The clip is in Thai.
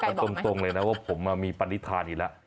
คือผมบอกตรงเลยนะว่าผมมีปฏิภัณฑ์อีกแล้ว